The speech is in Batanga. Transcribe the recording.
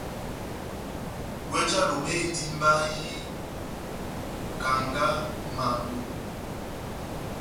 Wéh já Lobe indi mbayi, kanga, mando,